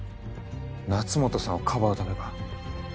夏本さんを庇うためか。